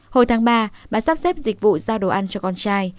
hồi tháng ba bà sắp xếp dịch vụ giao đồ ăn cho con trai